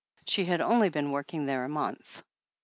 She had only been working there a month.